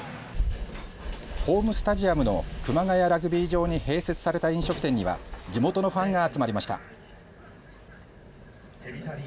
ホームスタジアムの熊谷ラグビー場に併設された飲食店には地元のファンが集まりました。